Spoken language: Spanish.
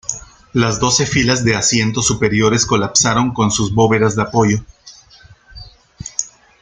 Las doce filas de asientos superiores colapsaron con sus bóvedas de apoyo.